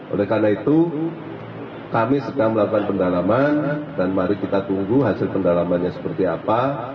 oleh karena itu kami sedang melakukan pendalaman dan mari kita tunggu hasil pendalamannya seperti apa